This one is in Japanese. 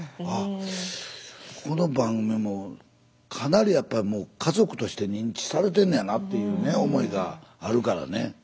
あこの番組もかなりやっぱもう家族として認知されてんねやなっていうね思いがあるからね。